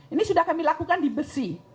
ini sudah kami lakukan di besi